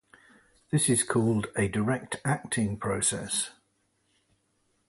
This is called a direct acting process.